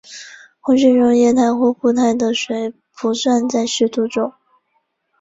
空气中液态或固态的水不算在湿度中。